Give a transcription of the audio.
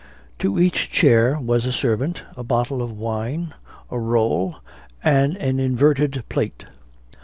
To each chair was a servant, a bottle of wine, a roll, and an inverted plate.